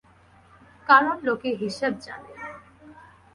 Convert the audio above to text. কারণ লোকে হিসেব জানে।